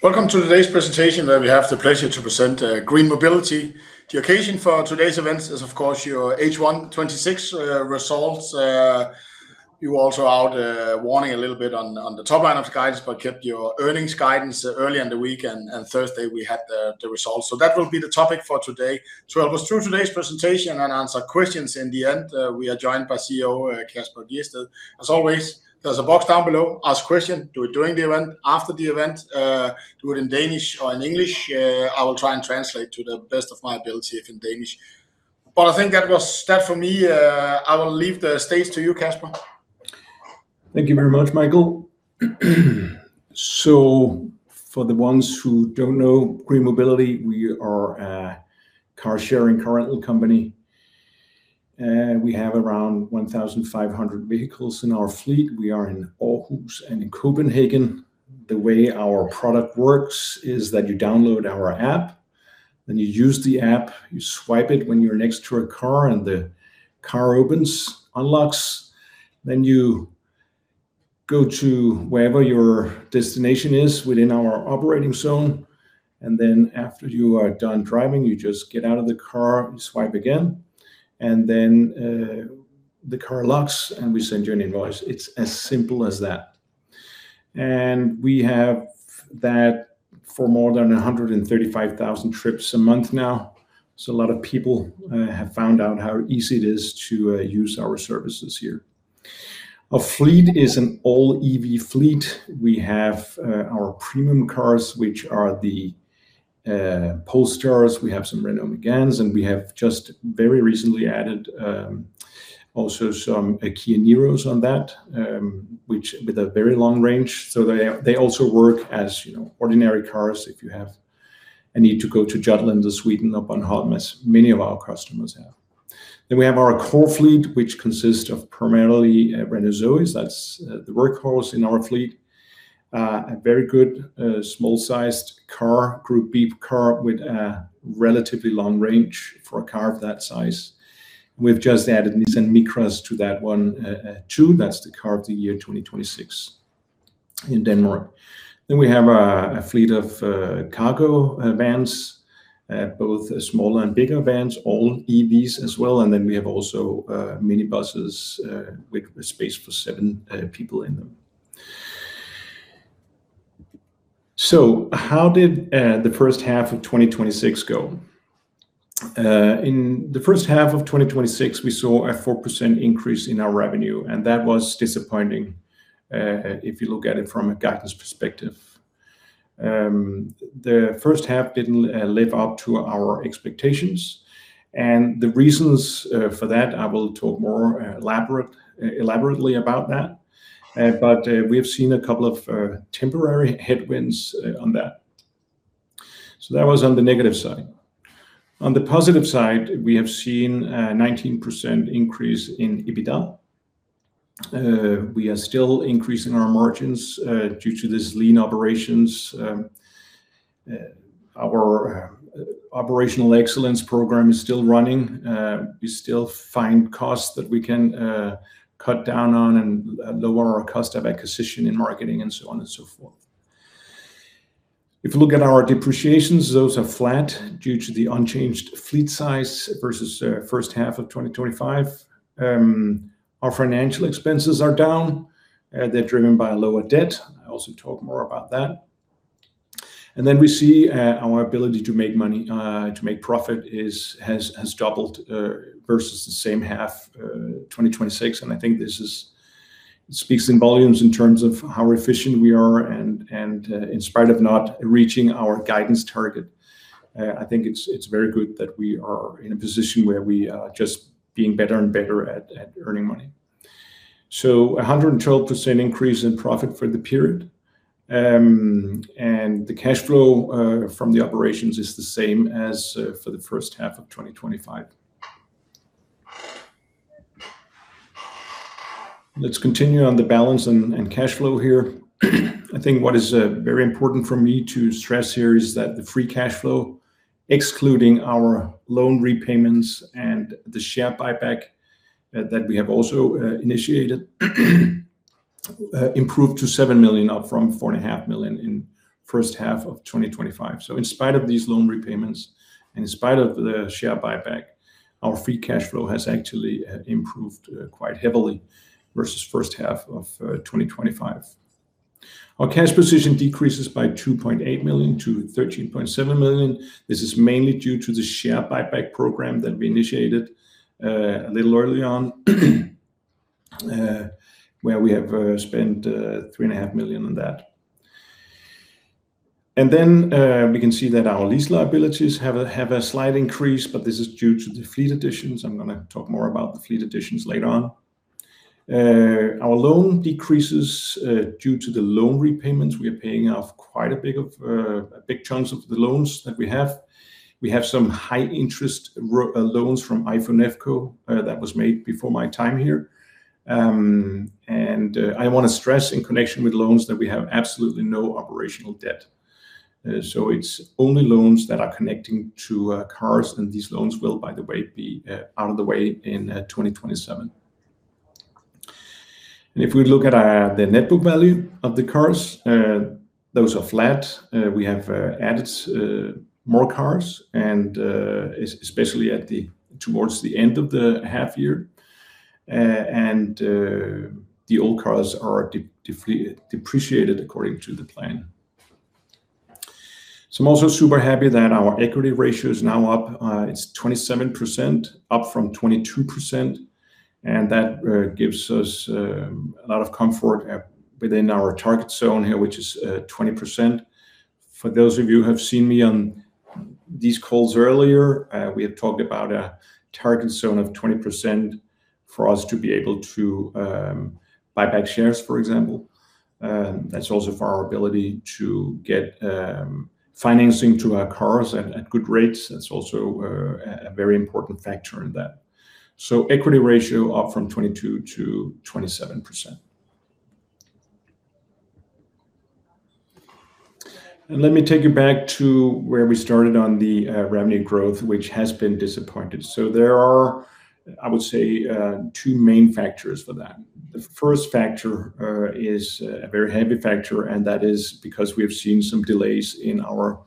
Welcome to today's presentation, where we have the pleasure to present GreenMobility. The occasion for today's event is, of course, your H1 2026 results. You also out warning a little bit on the top line of guidance, but kept your earnings guidance early in the week, and Thursday we had the results. That will be the topic for today. I will go through today's presentation and answer questions in the end. We are joined by CEO Kasper Gjedsted. As always, there's a box down below. Ask questions. Do it during the event, after the event, do it in Danish or in English. I will try and translate to the best of my ability if in Danish. I think that was that for me. I will leave the stage to you, Kasper. Thank you very much, Michael. For the ones who don't know GreenMobility, we are a car-sharing, car-rental company. We have around 1,500 vehicles in our fleet. We are in Aarhus and in Copenhagen. The way our product works is that you download our app, you use the app, you swipe it when you're next to a car, and the car opens, unlocks. You go to wherever your destination is within our operating zone. After you are done driving, you just get out of the car, you swipe again, and then the car locks, and we send you an invoice. It's as simple as that. We have that for more than 135,000 trips a month now. A lot of people have found out how easy it is to use our services here. Our fleet is an all-EV fleet. We have our premium cars, which are the Polestars. We have some Renault Meganes, and we have just very recently added also some Kia Niros on that, which with a very long range, so they also work as ordinary cars if you have a need to go to Jutland or Sweden up on holiday as many of our customers have. We have our core fleet, which consists of primarily Renault Zoes. That's the workhorse in our fleet. A very good small-sized car, group B car with a relatively long range for a car of that size. We've just added Nissan Micras to that one too. That's the Car of the Year 2026 in Denmark. We have a fleet of cargo vans, both small and bigger vans, all EVs as well. We have also minibuses with space for seven people in them. How did the first half of 2026 go? In the first half of 2026, we saw a 4% increase in our revenue, that was disappointing if you look at it from a guidance perspective. The first half didn't live up to our expectations, the reasons for that, I will talk more elaborately about that. We have seen a couple of temporary headwinds on that. That was on the negative side. On the positive side, we have seen a 19% increase in EBITDA. We are still increasing our margins due to these lean operations. Our operational excellence program is still running. We still find costs that we can cut down on and lower our cost of acquisition in marketing and so on and so forth. If you look at our depreciations, those are flat due to the unchanged fleet size versus first half of 2025. Our financial expenses are down. They're driven by lower debt. I also talk more about that. We see our ability to make profit has doubled versus the same half 2026. I think this speaks in volumes in terms of how efficient we are and in spite of not reaching our guidance target, I think it's very good that we are in a position where we are just being better and better at earning money. 112% increase in profit for the period. The cash flow from the operations is the same as for the first half of 2025. Let's continue on the balance and cash flow here. I think what is very important for me to stress here is that the free cash flow, excluding our loan repayments and the share buyback that we have also initiated, improved to 7 million up from 4.5 million in first half of 2025. In spite of these loan repayments and in spite of the share buyback, our free cash flow has actually improved quite heavily versus first half of 2025. Our cash position decreases by 2.8 million to 13.7 million. This is mainly due to the share buyback program that we initiated a little early on, where we have spent 3.5 million on that. We can see that our lease liabilities have a slight increase, but this is due to the fleet additions. I'm going to talk more about the fleet additions later on. Our loan decreases due to the loan repayments. We are paying off quite a big chunks of the loans that we have. We have some high-interest loans from [HICO Group ApS] that was made before my time here. I want to stress in connection with loans that we have absolutely no operational debt. It's only loans that are connecting to cars, and these loans will, by the way, be out of the way in 2027. If we look at the net book value of the cars, those are flat. We have added more cars and especially towards the end of the half year. The old cars are depreciated according to the plan. I'm also super happy that our equity ratio is now up. It's 27%, up from 22%, and that gives us a lot of comfort within our target zone here, which is 20%. For those of you who have seen me on these calls earlier, we had talked about a target zone of 20% for us to be able to buy back shares, for example. That's also for our ability to get financing to our cars at good rates. That's also a very important factor in that. Equity ratio up from 22% to 27%. Let me take you back to where we started on the revenue growth, which has been disappointing. There are, I would say, two main factors for that. The first factor is a very heavy factor, and that is because we have seen some delays in our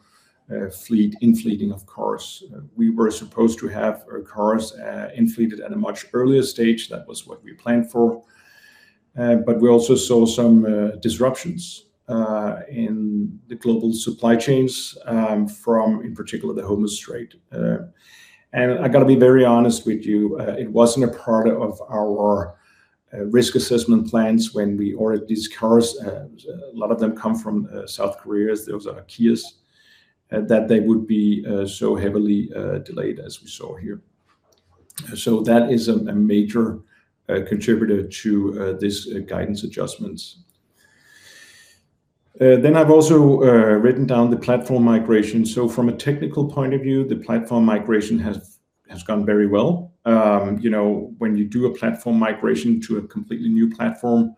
fleet, in-fleeting of cars. We were supposed to have our cars in-fleeted at a much earlier stage. That was what we planned for. We also saw some disruptions in the global supply chains from, in particular, the Hormuz Strait. I got to be very honest with you, it wasn't a part of our risk assessment plans when we ordered these cars, a lot of them come from South Korea, those are Kias, that they would be so heavily delayed as we saw here. That is a major contributor to these guidance adjustments. I've also written down the platform migration. From a technical point of view, the platform migration has gone very well. When you do a platform migration to a completely new platform,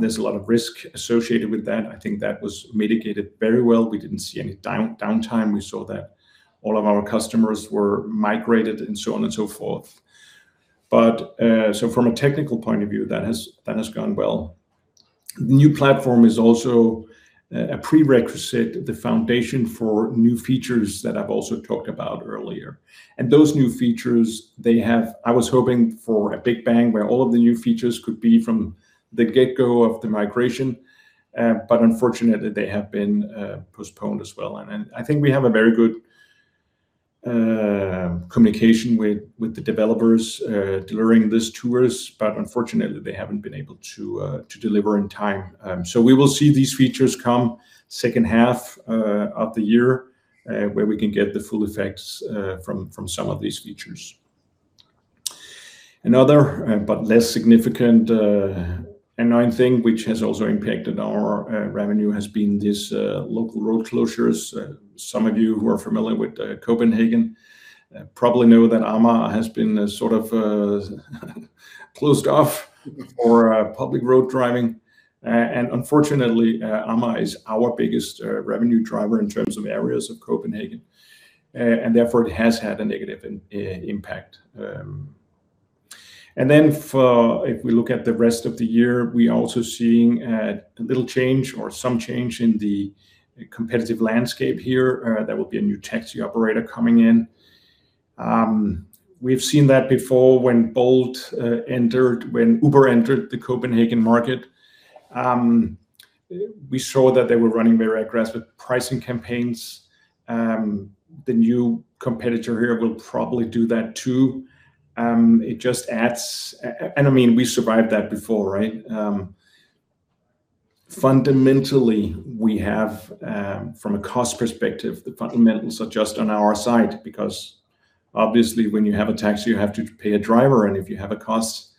there's a lot of risk associated with that. I think that was mitigated very well. We didn't see any downtime. We saw that all of our customers were migrated and so on and so forth. From a technical point of view, that has gone well. The new platform is also a prerequisite, the foundation for new features that I've also talked about earlier. Those new features, I was hoping for a big bang where all of the new features could be from the get-go of the migration. Unfortunately, they have been postponed as well. I think we have a very good communication with the developers delivering these tools, but unfortunately, they haven't been able to deliver in time. We will see these features come second half of the year, where we can get the full effects from some of these features. Another but less significant annoying thing which has also impacted our revenue has been these local road closures. Some of you who are familiar with Copenhagen probably know that Amager has been sort of closed off for public road driving. Unfortunately, Amager is our biggest revenue driver in terms of areas of Copenhagen. Therefore, it has had a negative impact. If we look at the rest of the year, we are also seeing a little change or some change in the competitive landscape here. There will be a new taxi operator coming in. We've seen that before when Bolt entered, when Uber entered the Copenhagen market. We saw that they were running very aggressive pricing campaigns. The new competitor here will probably do that, too. I mean, we survived that before, right? Fundamentally, from a cost perspective, the fundamentals are just on our side because obviously when you have a taxi, you have to pay a driver. If you have a cost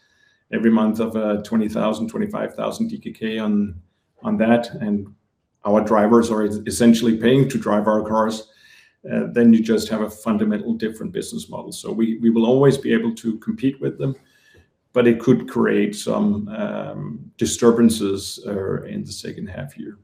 every month of 20,000, 25,000 DKK on that, and our drivers are essentially paying to drive our cars, then you just have a fundamental different business model. We will always be able to compete with them, but it could create some disturbances in the second half year.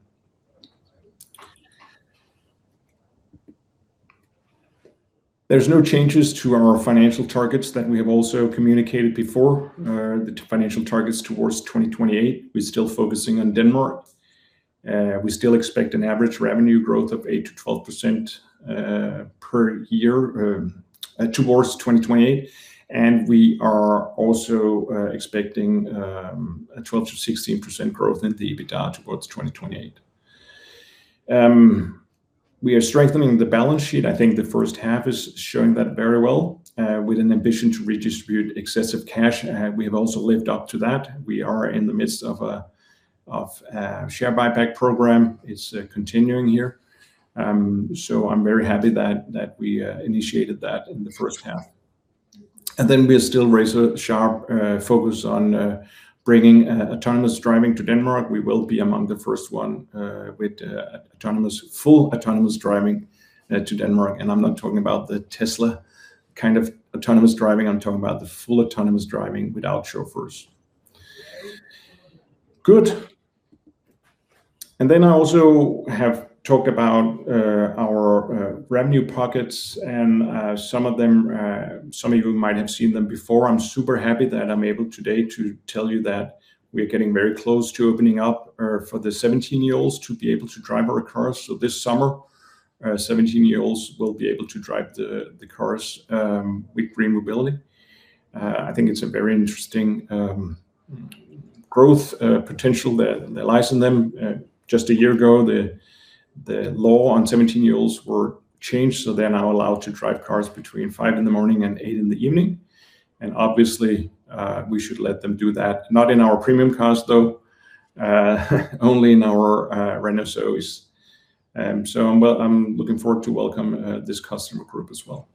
There's no changes to our financial targets that we have also communicated before, the financial targets towards 2028. We're still focusing on Denmark. We still expect an average revenue growth of 8%-12% per year towards 2028. We are also expecting a 12%-16% growth in the EBITDA towards 2028. We are strengthening the balance sheet. I think the first half is showing that very well, with an ambition to redistribute excessive cash. We have also lived up to that. We are in the midst of a share buyback program. It's continuing here. I'm very happy that we initiated that in the first half. We are still razor sharp focused on bringing autonomous driving to Denmark. We will be among the first one with full autonomous driving to Denmark. I'm not talking about the Tesla kind of autonomous driving, I'm talking about the full autonomous driving without chauffeurs. I also have talked about our revenue pockets and some of you might have seen them before. I'm super happy that I'm able today to tell you that we are getting very close to opening up for the 17-year-olds to be able to drive our cars. This summer, 17-year-olds will be able to drive the cars with GreenMobility. I think it's a very interesting growth potential that lies in them. Just a year ago, the law on 17-year-olds were changed, so they're now allowed to drive cars between 5:00 A.M. and 8:00 P.M. We should let them do that. Not in our premium cars, though, only in our Renault Zoe's. I'm looking forward to welcome this customer group as well.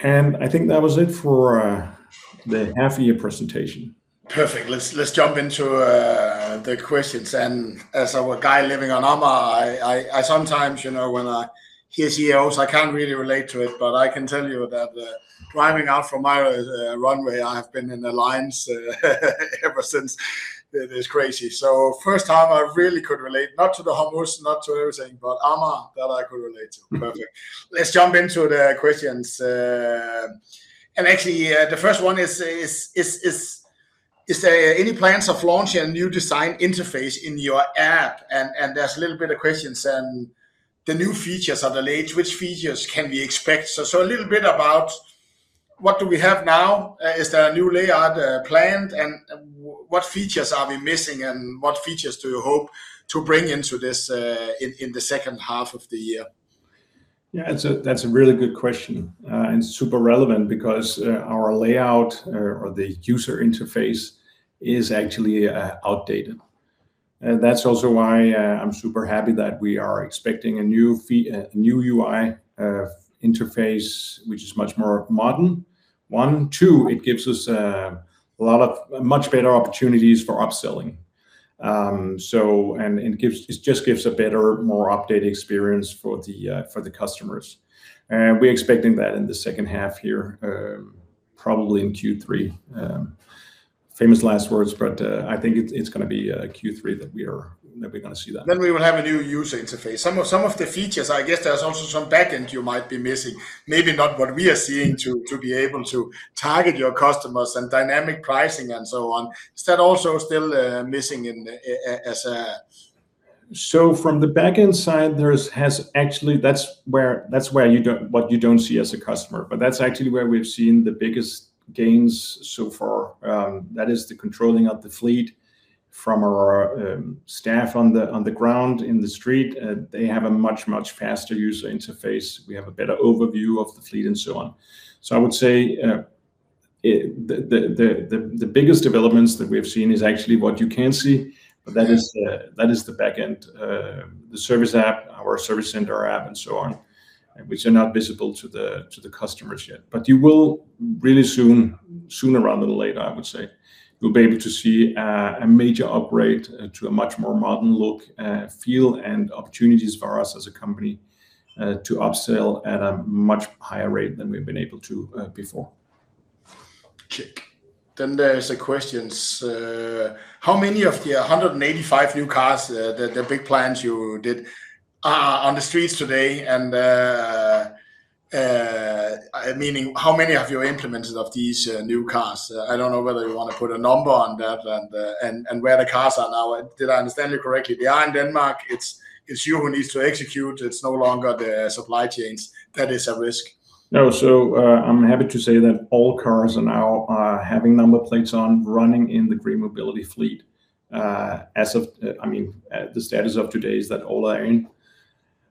I think that was it for the half-year presentation. Perfect. Let's jump into the questions. As a guy living on Amager, sometimes, when I hear CEOs, I can't really relate to it, but I can tell you that driving out from Amager runway, I have been in the lines ever since. It is crazy. First time I really could relate, not to the numbers, not to everything, but Amager, that I could relate to. Perfect. Let's jump into the questions. The first one is: Any plans of launching a new design interface in your app? There's a little bit of questions and the new features are delayed. Which features can we expect? A little bit about what do we have now? Is there a new layout planned? What features are we missing and what features do you hope to bring into this in the second half of the year? That's a really good question, and super relevant because our layout or the user interface is actually outdated. That's also why I'm super happy that we are expecting a new UI interface, which is much more modern. One. Two, it gives us much better opportunities for upselling. It just gives a better, more updated experience for the customers. We're expecting that in the second half year, probably in Q3. Famous last words, but I think it's going to be Q3 that we're going to see that. We will have a new user interface. Some of the features, I guess there's also some back end you might be missing, maybe not what we are seeing to be able to target your customers and dynamic pricing and so on. Is that also still missing? From the back end side, that's what you don't see as a customer, but that's actually where we've seen the biggest gains so far. That is the controlling of the fleet from our staff on the ground in the street. They have a much faster user interface. We have a better overview of the fleet and so on. I would say the biggest developments that we have seen is actually what you can't see. Yeah. That is the back end, the service app, our service center app and so on, which are not visible to the customers yet. You will really soon, sooner rather than later, I would say, you'll be able to see a major upgrade to a much more modern look and feel and opportunities for us as a company to upsell at a much higher rate than we've been able to before. Chick. There's a question: How many of the 185 new cars, the big plans you did are on the streets today and meaning how many have you implemented of these new cars? I don't know whether you want to put a number on that and where the cars are now. Did I understand you correctly? They are in Denmark. It's you who needs to execute. It's no longer the supply chains that is at risk. No. I'm happy to say that all cars are now having number plates on running in the GreenMobility fleet. The status of today is that all are in.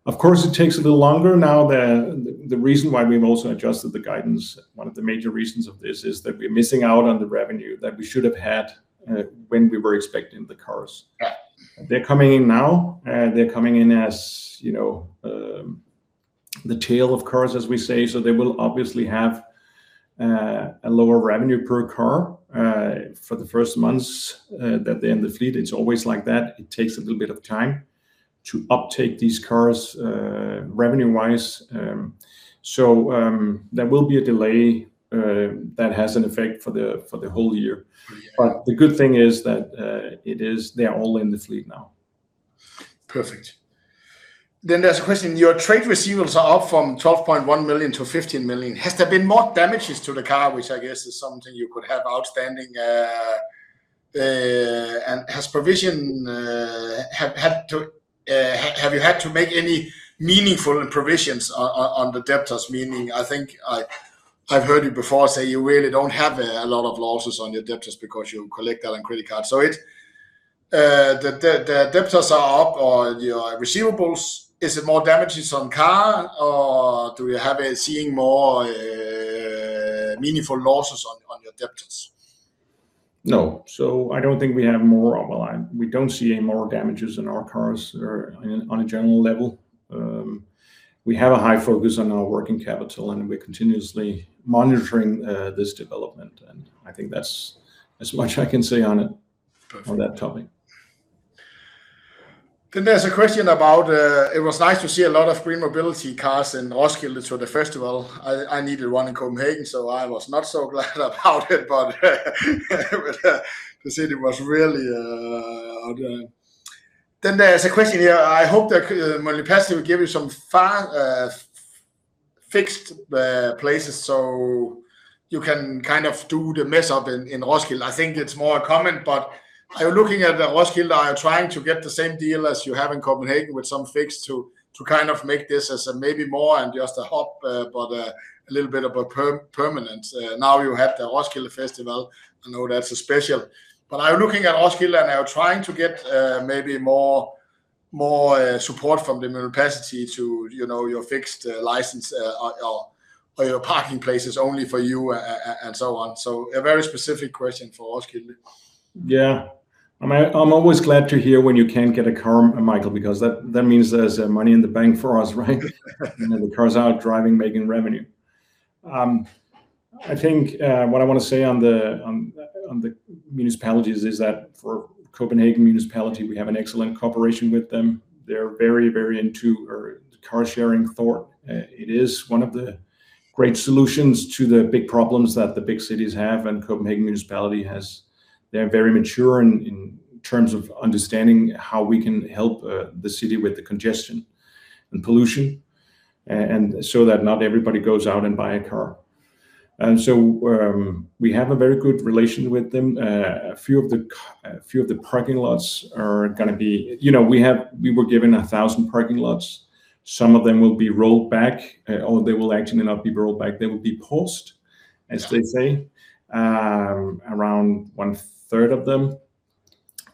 Of course, it takes a little longer now. The reason why we've also adjusted the guidance, one of the major reasons of this is that we're missing out on the revenue that we should have had when we were expecting the cars. Yeah. They're coming in now. They're coming in as the tail of cars, as we say. They will obviously have a lower revenue per car for the first months that they're in the fleet. It's always like that. It takes a little bit of time to uptake these cars revenue-wise. There will be a delay that has an effect for the whole year. Yeah. The good thing is that they are all in the fleet now. Perfect. There's a question. Your trade receivables are up from 12.1 million to 15 million. Has there been more damages to the car, which I guess is something you could have outstanding? Have you had to make any meaningful provisions on the debtors? Meaning, I think I've heard you before say you really don't have a lot of losses on your debtors because you collect that on credit card. The debtors are up or your receivables. Is it more damages on car, or are we seeing more meaningful losses on your debtors? No. I don't think we have more. We don't see any more damages in our cars on a general level. We have a high focus on our working capital, and we're continuously monitoring this development, and I think that's as much I can say on it- Perfect on that topic. There's a question about, it was nice to see a lot of GreenMobility cars in Roskilde for the festival. I needed one in Copenhagen, so I was not so glad about it, but the city was really odd. There's a question here, I hope that municipalities will give you some fixed places so you can do the mess up in Roskilde. I think it's more a comment. Are you looking at Roskilde? Are you trying to get the same deal as you have in Copenhagen with some fixed to make this as maybe more than just a hub, but a little bit of a permanent. Now you have the Roskilde Festival. I know that's special. Are you looking at Roskilde and are you trying to get maybe more support from the municipality to your fixed license or your parking places only for you and so on? A very specific question for Roskilde. Yeah. I'm always glad to hear when you can't get a car, Michael, because that means there's money in the bank for us, right? The cars are out driving, making revenue. I think what I want to say on the municipalities is that for Copenhagen Municipality, we have an excellent cooperation with them. They're very into the car sharing thought. It is one of the great solutions to the big problems that the big cities have, and Copenhagen Municipality they're very mature in terms of understanding how we can help the city with the congestion and pollution, and so that not everybody goes out and buy a car. We have a very good relationship with them. A few of the parking lots are going to be. We were given 1,000 parking lots. Some of them will be rolled back, or they will actually not be rolled back, they will be paused, as they say, around one third of them,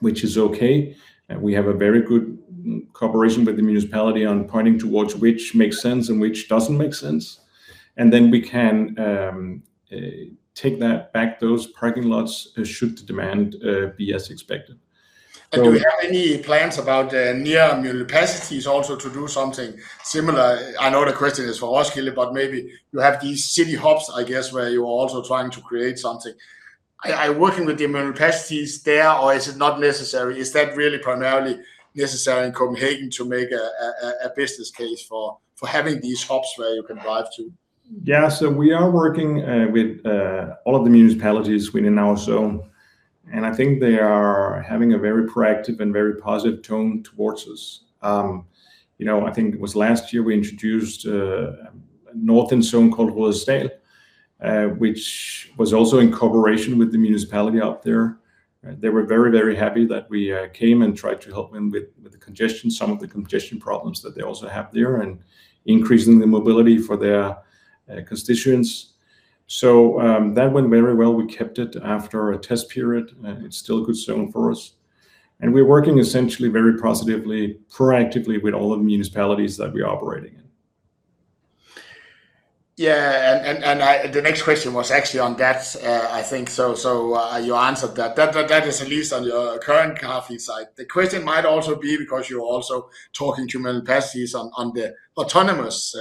which is okay. We have a very good cooperation with the municipality on pointing towards which makes sense and which doesn't make sense. We can take that back those parking lots should the demand be as expected. Do you have any plans about the near municipalities also to do something similar? I know the question is for Roskilde, but maybe you have these city hubs, I guess, where you are also trying to create something. Are you working with the municipalities there, or is it not necessary? Is that really primarily necessary in Copenhagen to make a business case for having these hubs where you can drive to? Yeah. We are working with all of the municipalities within our zone, and I think they are having a very proactive and very positive tone towards us. I think it was last year we introduced a northern zone called Hørsholm, which was also in cooperation with the municipality up there. They were very happy that we came and tried to help them with some of the congestion problems that they also have there and increasing the mobility for their constituents. That went very well. We kept it after a test period, and it's still a good zone for us. We're working essentially very positively, proactively with all the municipalities that we operate in. Yeah. The next question was actually on that, I think, so you answered that. That is at least on your current Car-free side. The question might also be because you are also talking to municipalities on the autonomous.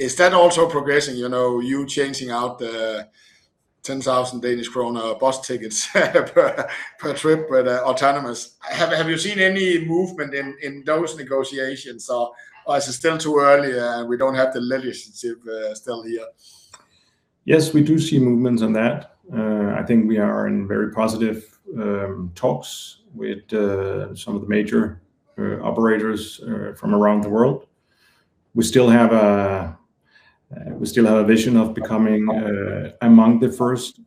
Is that also progressing, you changing out the 10,000 Danish krone bus tickets per trip with autonomous? Have you seen any movement in those negotiations, or is it still too early and we do not have the legislative still here? Yes, we do see movements on that. I think we are in very positive talks with some of the major operators from around the world. We still have a vision of becoming among the first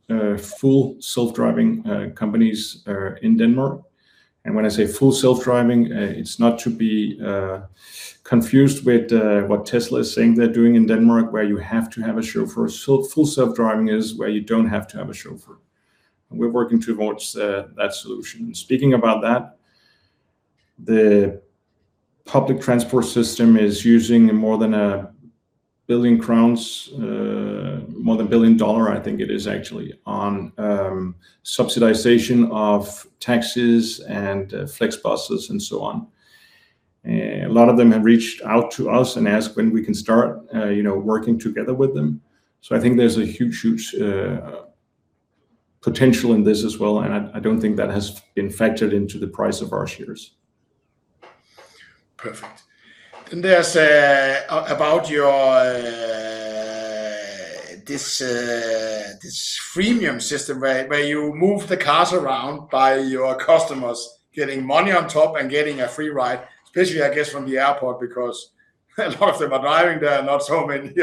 full self-driving companies in Denmark. When I say full self-driving, it is not to be confused with what Tesla is saying they are doing in Denmark, where you have to have a chauffeur. Full self-driving is where you do not have to have a chauffeur, and we are working towards that solution. Speaking about that, the public transport system is using more than 1 billion crowns, more than $1 billion I think it is actually, on subsidization of taxis and flex buses and so on. A lot of them have reached out to us and asked when we can start working together with them. I think there is a huge potential in this as well, and I do not think that has been factored into the price of our shares. Perfect. There is about this freemium system where you move the cars around by your customers getting money on top and getting a free ride. Especially, I guess from the airport, because lots of them are driving there and not so many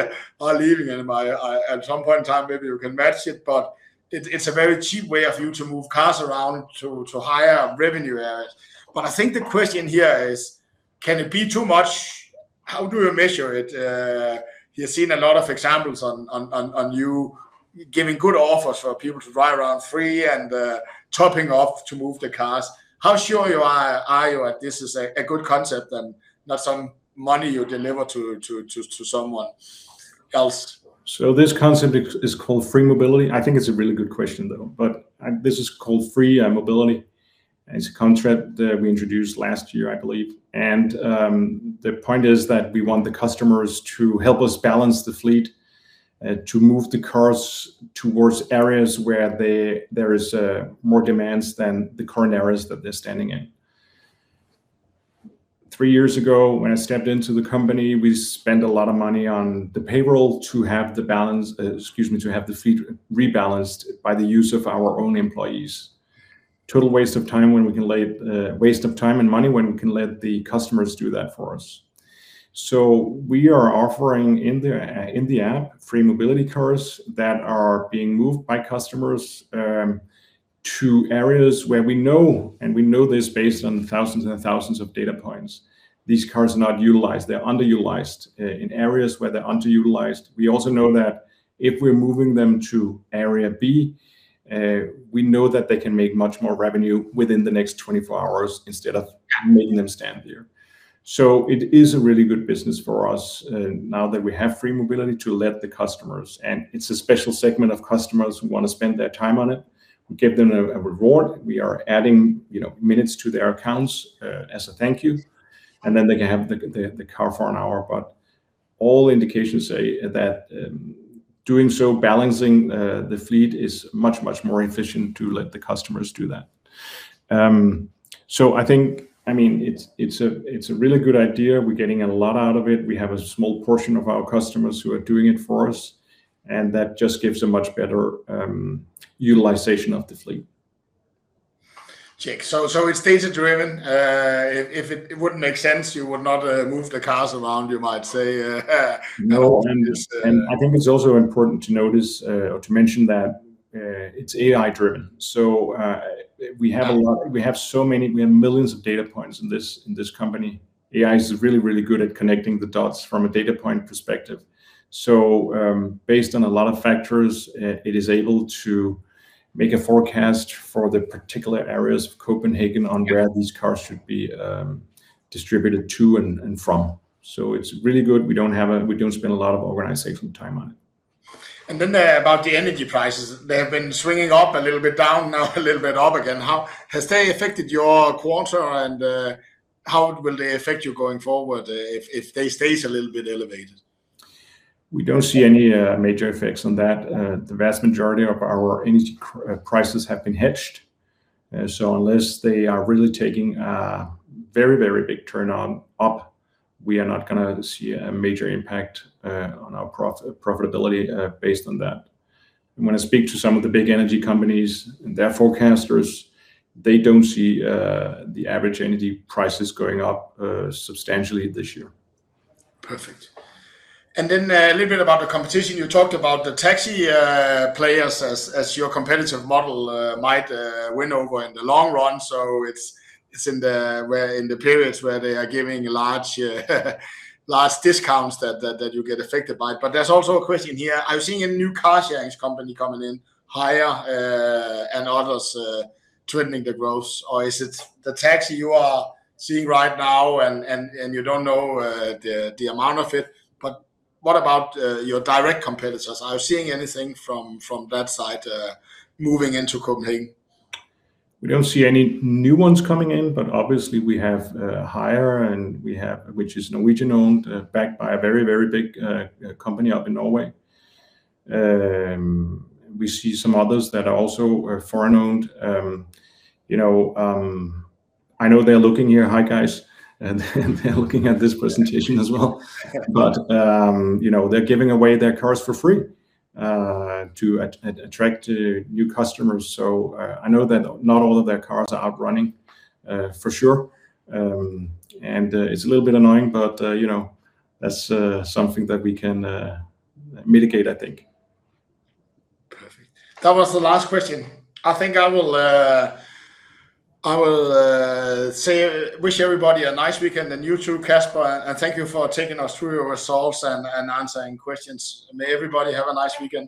are leaving. At some point in time, maybe you can match it, but it is a very cheap way of you to move cars around to higher revenue areas. I think the question here is, can it be too much? How do you measure it? You have seen a lot of examples on you giving good offers for people to ride around free and topping off to move the cars. How sure are you that this is a good concept and not some money you deliver to someone else? This concept is called Free Mobility. I think it is a really good question, though. This is called Free Mobility, and it is a concept that we introduced last year, I believe. The point is that we want the customers to help us balance the fleet, to move the cars towards areas where there is more demand than the current areas that they are standing in. Three years ago, when I stepped into the company, we spent a lot of money on the payroll to have the fleet rebalanced by the use of our own employees. Total waste of time and money when we can let the customers do that for us. We are offering in the app Free Mobility cars that are being moved by customers to areas where we know, and we know this based on thousands and thousands of data points, these cars are not utilized. They are underutilized. In areas where they are underutilized, we also know that if we are moving them to area B, we know that they can make much more revenue within the next 24 hours instead of making them stand there. It is a really good business for us now that we have Free Mobility to let the customers. It is a special segment of customers who want to spend their time on it. We give them a reward. We are adding minutes to their accounts as a thank you, they can have the car for an hour. All indications say that doing so, balancing the fleet is much, much more efficient to let the customers do that. I think it is a really good idea. We are getting a lot out of it. We have a small portion of our customers who are doing it for us, that just gives a much better utilization of the fleet. Check. It is data-driven. If it wouldn't make sense, you would not move the cars around, you might say. No. I think it's also important to notice or to mention that it's AI-driven. We have millions of data points in this company. AI is really, really good at connecting the dots from a data point perspective. Based on a lot of factors, it is able to make a forecast for the particular areas of Copenhagen on where these cars should be distributed to and from. It's really good. We don't spend a lot of organizational time on it. About the energy prices. They have been swinging up a little bit, down now a little bit, up again. Has they affected your quarter and how will they affect you going forward if they stay a little bit elevated? We don't see any major effects on that. The vast majority of our energy prices have been hedged. Unless they are really taking a very, very big turn on up, we are not going to see a major impact on our profitability based on that. When I speak to some of the big energy companies and their forecasters, they don't see the average energy prices going up substantially this year. Perfect. A little bit about the competition. You talked about the taxi players as your competitive model might win over in the long run. It's in the periods where they are giving large discounts that you get affected by. There's also a question here. Are you seeing a new car sharing company coming in, Hyre and others trending the growth, or is it the taxi you are seeing right now and you don't know the amount of it? What about your direct competitors? Are you seeing anything from that side moving into Copenhagen? We don't see any new ones coming in, but obviously we have Hyre, which is Norwegian-owned, backed by a very, very big company up in Norway. We see some others that are also foreign-owned. I know they're looking here. Hi, guys. They're looking at this presentation as well. They're giving away their cars for free to attract new customers. I know that not all of their cars are out running, for sure. It's a little bit annoying, but that's something that we can mitigate, I think. Perfect. That was the last question. I think I will wish everybody a nice weekend, and you too, Kasper. Thank you for taking us through your results and answering questions. May everybody have a nice weekend.